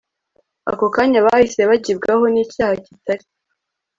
ako kanya bahise bagibwaho n'icyaha kitari